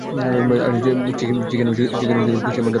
Chicken কীসের মধ্যে রাখবো?